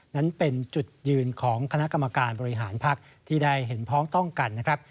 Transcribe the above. นั้นเป็นจุดยืนของคณะกรรมการบริหารภักดิ์ที่ได้เห็นพ้องต้องกันนะครับ